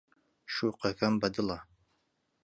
شوقەکەم بەدڵە.